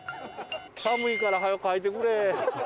寒いからはよ書いてくれ。